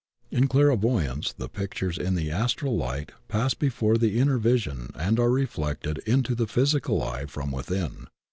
In clairvoyance the pictures in the Astral Light pass before the inner vision and are reflected into the physical eye from within.